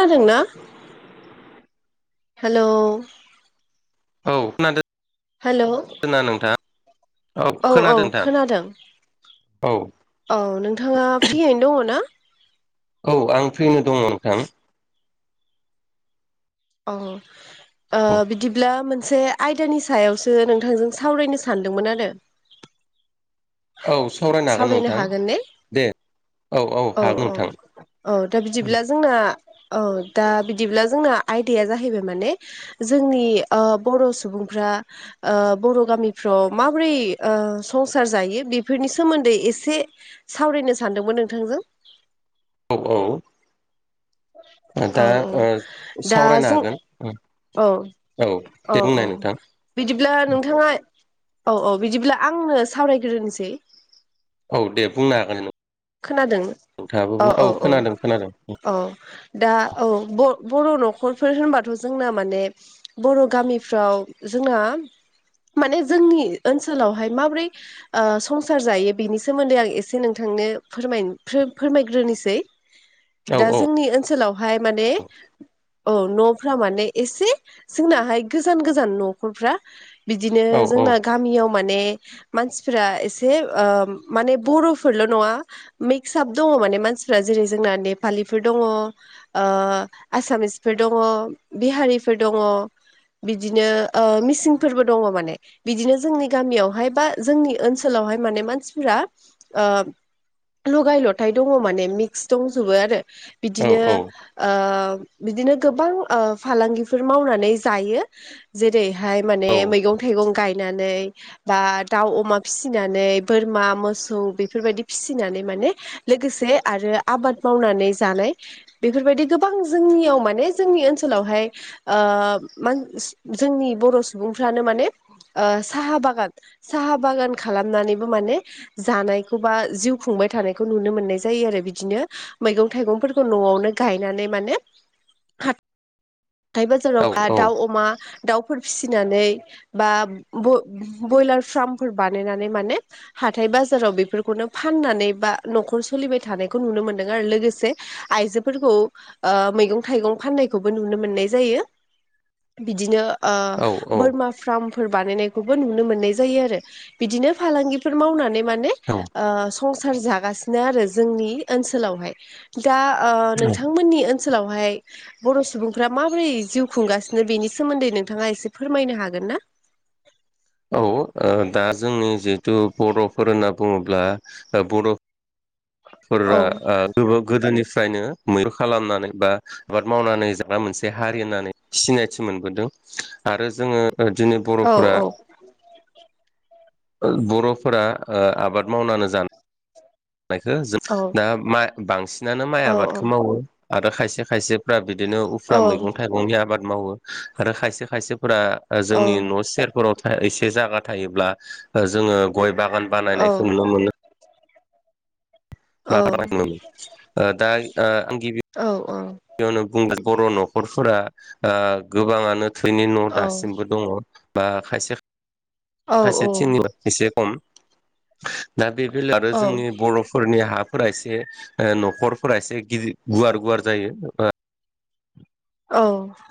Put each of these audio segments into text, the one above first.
नादों ना हेलौ औ खोनादो हेलौ [unintelligible] औ औ खोनादों नोंथां खोनादों औ औ नोंथाङा फ्रियैनो दङ ना औ आं फ्रियैनो दङ नोंथां औ ओ औ बिदिब्ला मोनसे मोनसे आयदानि सायावसो नोंथांजों सावरायनो सानदोंमोन आरो सावरायनो हागोन ने दे औ औ औ दा बिदिब्ला जोंना औ दा बिदिब्ला जोंना आइदाया जाहैबाय माने जोंनि अ बर' सुबुं फ्रा बर' गामिफ्राव माबोरै संसार जायो बेफोरनि सोमोनदै एसे सावरायनो सानदोंमोन नोंथांजों औ औ औ दा औ ओ दा सावरायनो जों हागोन औ औ दे बुंनाय औ नोंथां बिदिब्ला नोंथाङा औ औ बिदिब्ला आंनो सावरायग्रोनोसै औ दे बुंनो हागोन नों खोनादों औ औ औ खोनादों खोनादों औ दा औ बर' नखरफोर होनबाथ' जोंना माने बर' गामिफ्राव जोंना माने जोंनि ओनसोलावहाय माब्रै ओ संसार जायो बेनि सोमोनदै आं एसे नोंथांनो फोरमाय-फोरमायग्रोनोसै औ दा जोंनि ओनसोलावहाय माने औ न'फ्रा माने एसे जोंनाहाय गोजान गोजान नखरफ्रा बिदिनो औ जोंना गामियाव माने मानसिफोरा एसे माने ओ बर'फोरल' नङा मिक्सआप दङ माने मानसिफ्रि जेरै जोंना नेपालिफोर दङ ओ आसामिस फोर दङ बिहारिफोर दङ बिदिनो ओ मिसिंफोरबो दङ माने बिदिनो जोंनि गामियावहाय बा जोंनि ओनसोलाव हाय माने मानसिफोरा ओ लगाय लथाय दङ माने मिक्स दंजोबो आरो औ बिदिनो औ ओ बिदिनो गोबां ओ फालांगिफोर मावनानै जायो जेरै हाय माने औ मैं थाइगं गाय नानै बा दाउ अमा फिसिनानै बोरमा मोसौ बेफोरबायदि फिसि फिनानै माने लोगोसे आरो आबाद मावनानै जानाय बेफोरबायदि गोबां जोंनि माने जोंनि ओनसोलावहाय ओ मान जोंनि बर' सुबुंफ्रानो माने ओ साहा बागान साहा बागान खालामनानैबो माने जानायखौ बा जिउ खुंबाय थानायखौ नुनो मोननाय जायो आरो बिदिनो मैगं थाइगंफोरखौ न'आवनो गायनानै माने हा थाय बाजाराव औ दाउ अमा दाउफोर फिसिनानै ब' बयलार फार्मफोर बानायनानै माने हाथाइ बाजाराव बेफोरखौनो फाननानै बा न'खर सोलिबाय थानायखौ नुनो मोन्दों आरो लोगोसे आइ आयजो फोरखौ ओमैगं थाइगं फाननायखौबो नुनो मोन मोनाइ जायो बिदिनो ओ औ बोरमा फाराम फोर बानायनायखौबो नुनो मोननाय जायो आरो बिदिनो फालांगिफोर मावनानै माने ओ संसार जागासिनो आरो जोंनि ओनसोलावहाय। दा ओ नोंथांमोननि ओनसोलावहाय बर' सुबुं फोरा माबोरै जिउ खुंगासिनो बेनि सोमोन्दै नोंथाङा एसे फोरमायनो हागोन ना? औ ओ दा जोंनि जिहेथु बर'फोर होनना बुङोब्ला ओ बर' औ फोरा ओ गोब गोदोनि फ्रायनो मैहु खालामनानै बा आबाद मावनानै जाग्रा मोनसे हारि होननानै सिनायथि मोनबोदों। आरो जोङो दिनै औ बर'फोरा औ बर'फोरा ओ आबाद मावनानै जान नायखो जो औ दा बांसिनानो माइ औ आबादखौ मावो आरो खायसे खायसेफ्रा बिद दिनो औ उफ्रा मैगं थाइगंनि आबाद मावो आरो खायसे खायसे फोरा औ जोंनि न' सेरफोराव एसे जगा थायोब्ला जोंङो गय बागान औ बानायनायखौ नुनो मोनो। [unintelligible] औ ओ दा ओ औ औ बेयावनो बुंदों बर' न'खरफोरा ओ गोबाङानो थैनि न' दासिमबो दङ बा खायसे माखायसे [unintelligible] एसे खम दा बे बेलायाव आरो जोंनि बर'फोरनि हा फोरा एसे ओ न'खरफोरा एसे गिदिर गुवार गुवार जायो औ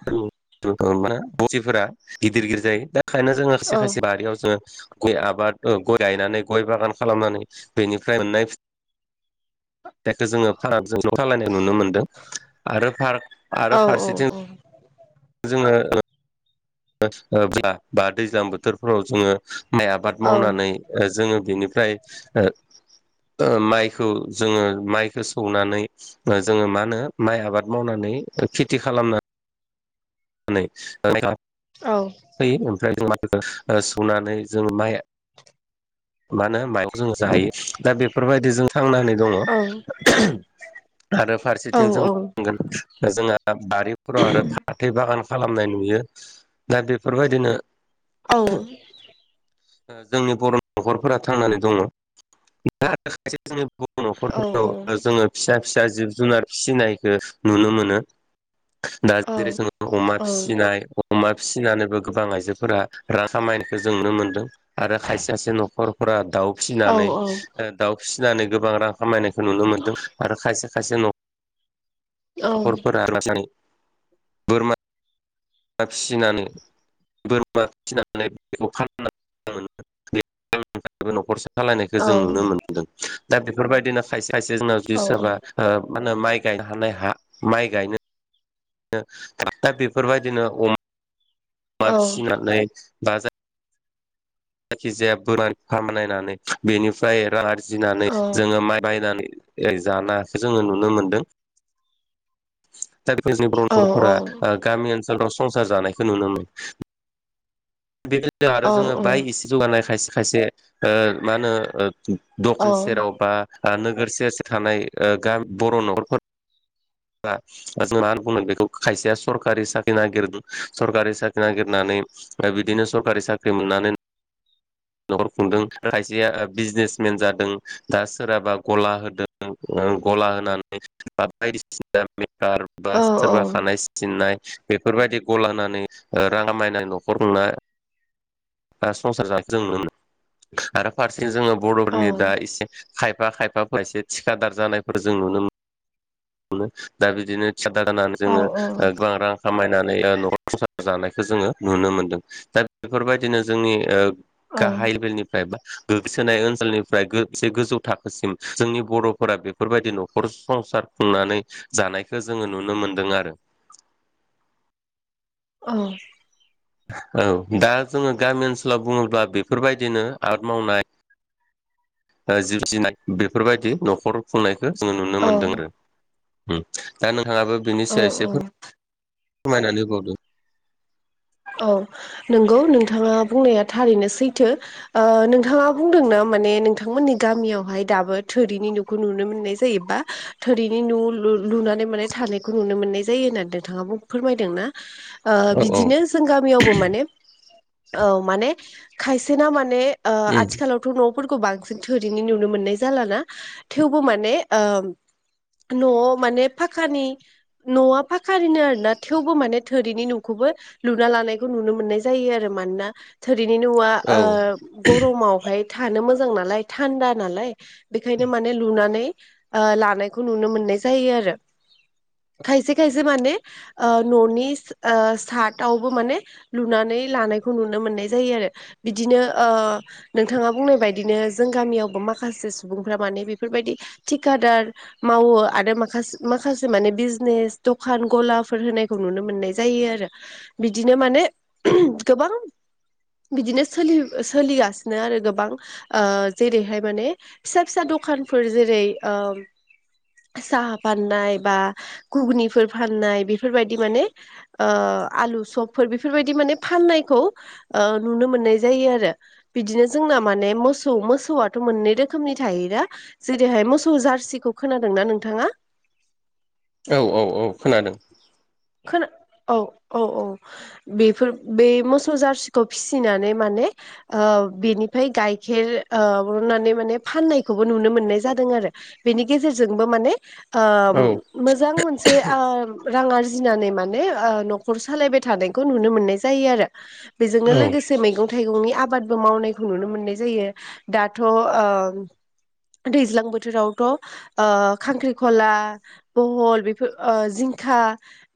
[unintelligible] गिदिर गिदिर जायो दा ओंखायनो खायसे खायसे बारियाव जोंङो गय आबाद गय गायनानै गय बागान खालामनानै बेनिफ्राय मोननाय बेखौ जोङो फार्क खालायनाय नुनो मोनदों आरो फार आरो फारसेथिं जोंङो [unintelligible] दैज्लां बोथोरफोराव जोंङो माइ आबाद मावनानै ओ जोङो बेनिफ्राय ओ ओ माइखौ जोङो माइखौ सौनानै जोंङो मा होनो माइ आबाद मावनानै खेथि खालामना [unintelligible] औ होयो ओमफ्राय जों माइखौ ओ सोनानै जों माइ मा होनो माइं जों जायो दा बेफोरबायदि जों थांनानानै दङ औ औ आरो औ फारसेथिं जों बुंनांगोन जोंहा बारिफोराव आरो फाथै बागान खालामनाय नुयो दा बेफोरबायदिनो औ ओ जोंनि बर' न'खरफोरा थांनानै दङ [unintelligible] जोंनि औ [unintelligible] जोंङो फिसा फिसा जिब जुनार फिसिनायखो नुनो मोनो। दा जेरै जों अमा औ फिसिनाय अमा फिसिनानैबो गोबां आइजोफोरा रां खामायनायखौ जों नुनो मोनदों आरो खायसे खायसे न'खरफोरा दाउ औ फिसिनानै ओ दाउ फिसिनानै गोबां रां खामायनायखौ नुनो मोन्दों आरो खायसे खायसे न' औ खरफोरा [unintelligible] बोरमा बा फिसिनानै बोरमा फिनानै बेखौ फाननानै [unintelligible] खालायनायखौ औ जों नुनो मोनदों दा बेफोरबायदिनो खायसे खायसे जोंनाव जुदि सोरबा ओ मा होनो माइ गायनो हानाय हा माइ गायनो दा बेफोरबायदिनो अम अमा फिसिनानै बाजा जायखिजाया बोरा खामनायनानै बेनिफ्राय रां आरजिनानै जोङो माइ बायनानै ओ जाना जोङो नुनो मोनदों। दाफोरनि ब्र्खरफोरा गामि ओनसोलाव संसार जानायखौ नुनो मोनो। बेबायनो आरो औ जोङो बाइक इसे जौगानाय खायसे खायसे ओ मा होनो ओ दखान सेराव बा नोगोर सेर सेर थानाय ओ गामि बर' न'खरफोर जों मा होनगोन बेखौ खायसेया सरकारि साख्रि नागिर सरकारि साख्रि नागिरनानै बिदिनो सरकारि साख्रि मोननानै [unintelligible] न'खर खुंदों खायसेया बिजनेसमेन जादों दा सोरहाबा गला होदों गला होनानै बा बायदिसिना मेकार बा सोरबा खानाय सिननाय बेफोरबायदि गला हेनानै ओ रां खामायना न'खर खुंना आ संसार जानायखौ जों नुनो मोनो आरो फारसे जोङो बर'फोरनि दा एसे खाइफ खायफा खायफा खायसे थिखादार जानायफोर जों नुनो मोन मोनो दा बिदिनो थिखादार जानानै जोङो ओ गोबां रां खामाय नानै न'र संसार जानायखौ जोङो नुनो मोनदों दा बेफोरबायदिनो जोंनि ओ गाहाय लेभेलनिफ्राय बा गोगसोनाय ओनसोलनिफ्रायसे गोजौ थाखोसिम जोंनि बर'फोरा बेफोरबायदि न'खर संसार खुंनानै जानायखौ जोङो नुनो मोनदों आरो। औ। औ दा जोङो गामि ओनसोलाव बुङोब्ला बेफोरबायदिनो आबाद मावनाय जिब जुनात बेफोरबायदि न'खर खुंनाय जोङो नुनो औ मोनदों आरो दा नोंथांङाबो बिनि सायाव एसे फोर फोरमायनानै होबावदो? औ नंगौ नोंथाङा बुंनाया थारैनो सैथो ओ नोंथाङा बुंदोंना माने नोंथांमोननि गामियावहाय दाबो थोरिनि न खौ नुनो मोननाय जायो बा थोरिनि न' लु लुनानै माने थानायखौ नुनो मोननाय जायो होननानै नोंथाङाबो फोरमायदों ना? ओ औ औ बिदिनो जों गामियावबो माने औ माने खायसेना माने ओ आथिखालावथ' न' फोरखौ बांसिन थोरैनि नुनो मोननाय जालाना थेवबो माने ओ न'आव माने फाखानि न'आ फाखानिनो आरोना थेवबो माने थोरिनि न'खौबो लुना लानायखौ नुनो मोननाय जायो आरो मानोना थो बिनि न'आ ओ औ गरमावहाय थानो मोज मोजां नालाय थान्दा नालाय बेनिखायनो माने लुनानै ओ लानायखौ नुनो मोननाय जायो। खायसे खायसे माने ओ न'नि ओ साद थावबो माने लुनानै लानायखौ नुनो मोननाय जायो आरो बिदिनो ओ नोंथाङा बुंनाय बायदिनो जों गामियावबो माखासे सुबुंफ्रा माने बेफोरबायदि थिकादार मावो आरो माखासे माखासे माने बिजनेस दखान गलाफोर होनायखौ नुनो मोननाय जायो आरो बिदिनो माने गोबां बिदिनो सोलि सोलिगासिनो आरो गोबां ओ जेरैहाय माने फिसा फिसा द दखानफोर जेरै ओ साहा फाननाय बा गुगुनिफोर फाननाय बेफोरबायदि माने ओ आलु सबफोर बेफोरबायदि माने फाननायखौ ओ नुनो मोननाय जायो आरो बिदिनो जो माने मोसौ मोसौथ मोननै रोखोमनि थायो दा जेरैहाय मोसौ जार्सिखौ खोनादों ना नोंथाङा औ औ औ खोनादों। खो औ औ औ बेफोर बे मोसौ जारसिखौ फिसिनानै माने ओ औ बेनिफ्राय गाइखेर ओ बहननानै माने फाननायखौबो नुनो मोननाय जादों आरो बेनि गे जेरजोंबो माने ओ औ मोजां मोनसे ओ रां आर जिनानै माने ओ न'खर सालायबाय थानायखौ नुनो मोननाय जायो आरो। बेजोंनो औ उम लोगोसे मैगं-थाइगंनि आ बादबो मावनायखौ नुनो मोननाय जायो दाथ' ओ दैज्लां बोथोरावथ' ओ खांख्रिखला, बहल बेफोर जिं खा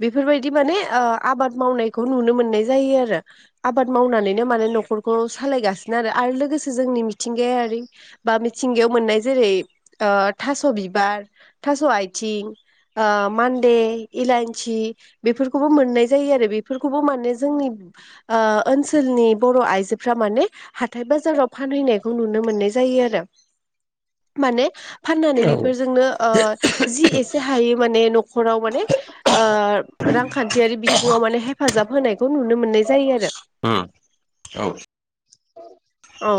बेफोरबायदि माने ओ आबाद मावनायखौ नुनो मोननाय जायो आरो। आबाद मावनानैनो माने न'खर सालायगासिनो आरो आरो लोगोसे जोंनि मिथिंगायारि बा मिथिंगायाव मोननाय जेरै ओ थास' बिबार, थास' आइथिं, ओ मान्दे, इलइ सि बेफोरखौबो मोननाय जायो आरो बेफोरखौबो माने जोंनि ओ ओनोलनि ब बर आइजोफोरा माने हाथाय बाजाराव फानहैनायखौ नुनो मोननाय जायो आरो। माने फाननानै बेफोरजोंनो ओ जि एसे हायो माने नखराव माने ओ रांखान्थियारि बिथिङाव माने हेफाजाब होनायखौ नुनो मोननाय जायो आरो। उम औ। औ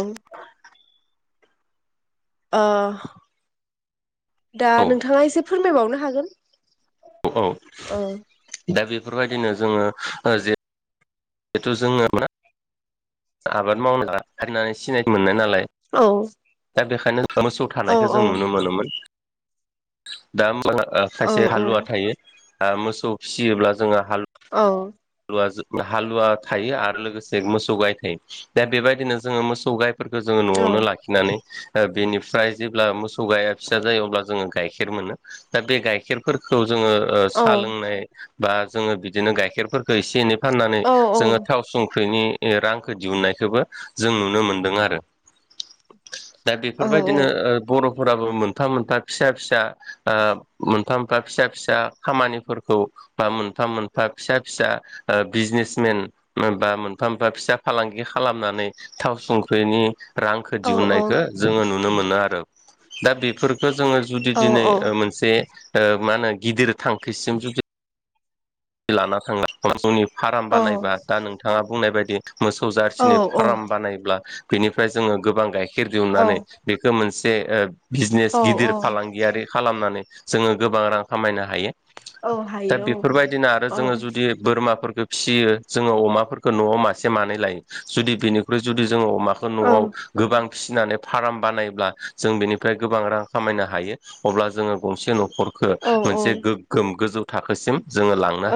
अह दा औ नोंथाङा एसे फोरमायबावनो हागोन औ औ औ दा बेफोरबायदिनो जोंङो ओ जे जिथु जोंङो मा आबाद मावना होननानै सिनायथि मोननाय नालाय औ दा बेखायनो मोसौ औ थानायखौ जों नुनो मोनोमोन। दा औ खायसे हालुवा थायो ओ मोसौ फिसियोब्ला जोंङो हालु औ वा हालुवा थायो आरो लोगोसे मोसौ गाय थायो। दा बेबायदिनो जोंङो मोसौ गाय फोरखौ जोंङो औ नआवनो लाखिनानै ओ बेनि फ्राय जेब्ला मोसौ गाया फिसा जायो अब्ला जोंङो गाइखेर मोनो, दा बे गाइखेरफोरखौ जोंङो ओ औ सा लोंनाय बा जोंङो बिदिनो गाइखेरफोरखौ एसे एनै फाननानै औ जोंङो थाव संख्रिनि रां दिहुननायखौबो जों नुनो मोनदों आरो। दा औ बेफोरबायदिनो ओ बर' फोराबो मोनफा मोनफा फिसा फिसा ओ मोनफा मोनफा फिसा फिसा खामानिफोरखौ बा मोनफा मोनफा फिसा फिसा बिजनेसमेन बा मोनफा मोनफा फिसा फालांगि खालामनानै थाव संख्रिनि रांखौ दिहुननायखौ जोंङो नुनो मोनो आरो। दा बेफोरखौ जोंङो जुदि दिनै मोनसे मा होनो गिदिर थांखिसिम जुदि लाना थांना जोंनि फार्म बानायबा दा नोंथाङा बुंनाय बायदि मोसौ जारसिनि औ फाराम बानायोब्ला बेनिफ्राय जोंङो गोबां गाइखेर दिहुननानै बेखौ मोन से बिजनेस ओ औ गिदिर औ फालांगियारि खालामनानै जोंङो गोबां रां खामायनो हा यो। औ दा हायो बेफोरबायदिनो आरो औ जोंङो जुदि बोरमा फोरखो फिसियो जोंङो अमाफोरखौ नआव मासे मानै लायो जुदि बिनिफ्राय जुदि जोंङो अमाखौ औ नआव गोबां फिसिनानै फाराम बानायब्ला जों बेनिफ्राय गोबां रां खामायनो हायो। अब्ला जोंङो गंसे न'खर खो औ मोनसे गोग्गोम गोजौ थाखोसिम जोंङो लांनो औ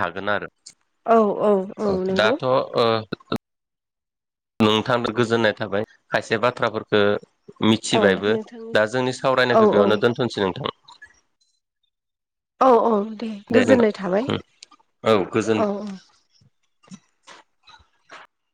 हागोन आरो। औ औ अ औ नंगौ दाथ' ओ नोंथाखो गोजोननाय थाबाय। खायसे बाथ्राफोरखो औ मिथिबायबो दा नोंथांनिसि जोंनि औ सावरायनायखौ बेयावनो औ दोनथ'नोसै नोंथां। औ औ, दे गोजोननाय थाबाय। औ गोजोन औ औ।